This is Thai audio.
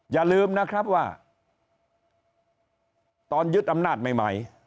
อย่าลืมนะครับว่าตอนยึดอำนาจใหม่